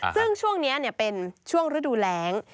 ซึ่งช่วงนี้เป็นช่วงฤดูแรง